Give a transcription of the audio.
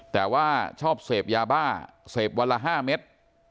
แต่ว่าชอบเสพยาบ้าเสพวันละ๕เม็ด